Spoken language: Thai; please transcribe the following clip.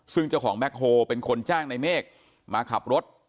ซึ่งเจ้าของแบ็คโฮเป็นคนจ้างในเมฆมาขับรถ